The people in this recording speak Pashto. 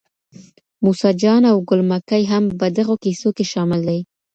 موسی جان او ګل مکۍ هم په دغو کیسو کي شامل دي.